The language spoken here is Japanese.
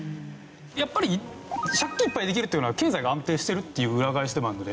やっぱり借金いっぱいできるっていうのは経済が安定してるっていう裏返しでもあるので。